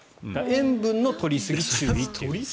塩分の取りすぎ注意と。